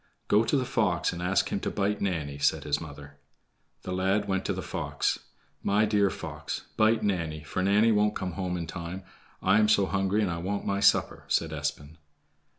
"Go to the fox and ask him to bite Nanny," said his mother. The lad went to the fox. "My dear fox, bite Nanny, for Nanny won't come home in time. I am so hungry, and I want my supper," said Espen.